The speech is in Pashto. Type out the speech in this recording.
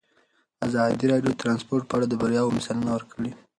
ازادي راډیو د ترانسپورټ په اړه د بریاوو مثالونه ورکړي.